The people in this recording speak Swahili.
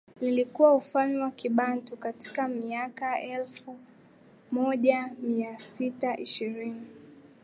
lilikuwa ufalme wa Kibantu katika miaka elfu moja Mia sits ishirini